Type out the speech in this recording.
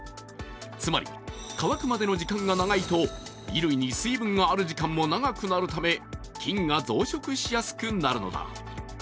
つまり乾くまでの時間が長いと衣類に水分がある時間も長くなるため菌が増殖しやすくなるのだ。